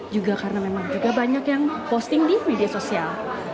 juga karena memang juga banyak yang posting di media sosial